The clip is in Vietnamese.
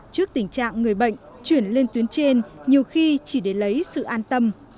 trước tình trạng người bệnh chuyển lên tuyến trên nhiều khi chỉ để lấy sự an tâm